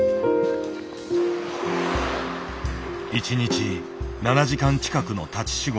１日７時間近くの立ち仕事。